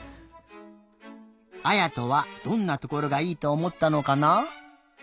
あやとはどんなところがいいとおもったのかな？